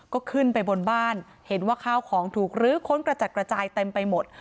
ก็ขึ้นไปบนบ้านเห็นว่าข้าวของถูกลื้อค้นกระจัดกระจายเต็มไปหมด